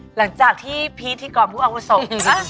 หลังจากที่พีธิกรผู้อาวุโส